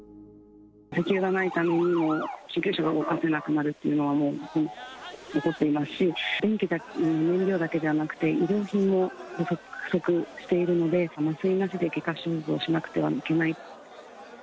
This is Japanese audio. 石油がないために、救急車が動かせなくなるというのは起こっていますし、電気や燃料だけではなくて、医療品も不足しているので、麻酔なしで外科手術をしなくてはいけない。